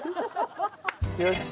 よし。